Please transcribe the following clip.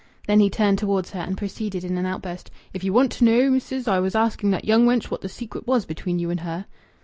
Then he turned towards her and proceeded in an outburst: "If you want to know, missis, I was asking that young wench what the secret was between you and her."